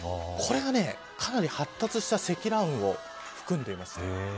これが、かなり発達した積乱雲を含んでいます。